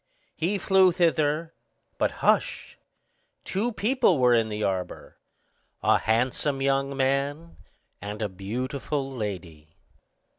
He flew thither; but "hush!" two people were in the arbor,—a handsome young man and a beautiful lady.